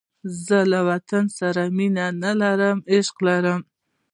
زه وطن سره مینه نه لرم، عشق لرم